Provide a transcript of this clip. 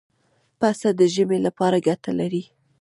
پسه د ژمې لپاره ګټه لري.